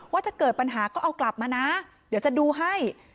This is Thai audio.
ถ้าเกิดปัญหาก็เอากลับมานะเดี๋ยวจะดูให้